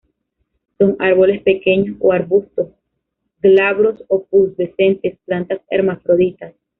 Son árboles pequeños o arbustos, glabros o pubescentes; plantas hermafroditas.